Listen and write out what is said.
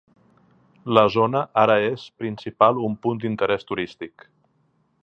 La zona ara és principal un punt d'interès turístic.